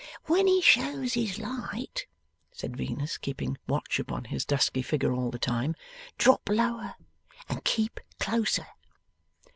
'When he shows his light,' said Venus, keeping watch upon his dusky figure all the time, 'drop lower and keep closer.